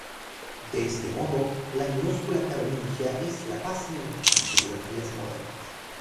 De este modo, la minúscula carolingia es la base de nuestras tipografías modernas.